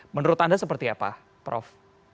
menurut anda seperti apa prof